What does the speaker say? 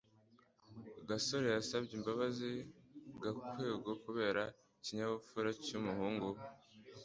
gasore yasabye imbabazi gakwego kubera ikinyabupfura cy'umuhungu we